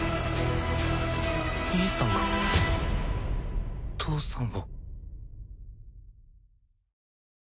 兄さんが父さんを。